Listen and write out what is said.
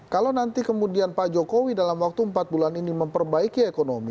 kalau nanti kemudian pak jokowi dalam waktu empat bulan ini memperbaiki ekonomi